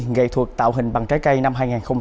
nghệ thuật tạo hình bằng trái cây năm hai nghìn hai mươi